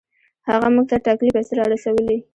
هغه موږ ته ټاکلې پیسې را رسولې.